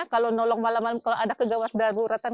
kalau nolong malam malam kalau ada kegawas daruratan